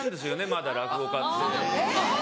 まだ落語家って。